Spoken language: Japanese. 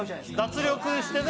脱力してね